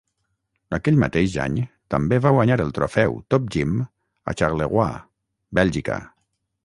Aquell mateix any també va guanyar el trofeu "Top Gym" a Charleroi, Bèlgica.